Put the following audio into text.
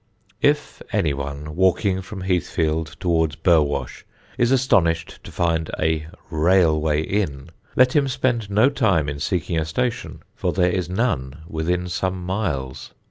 If any one, walking from Heathfield towards Burwash, is astonished to find a "Railway Inn," let him spend no time in seeking a station, for there is none within some miles.